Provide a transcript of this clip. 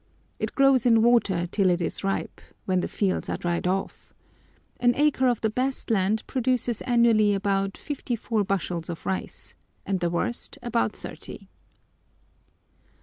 It grows in water till it is ripe, when the fields are dried off. An acre of the best land produces annually about fifty four bushels of rice, and of the worst about thirty.